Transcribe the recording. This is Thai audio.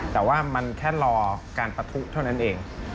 แต่ว่ามันแค่รอการปะทุเท่านั้นเอง